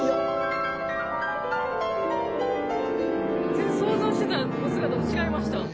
全然想像してたお姿と違いました。